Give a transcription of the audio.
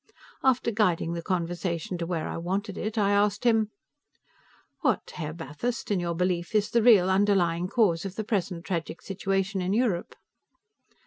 After guiding the conversation to where I wanted it, I asked him: "What, Herr Bathurst, in your belief, is the real, underlying cause of the present tragic situation in Europe?"